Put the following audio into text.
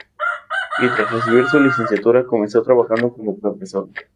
Y tras recibir su licenciatura, comenzó trabajando como profesora.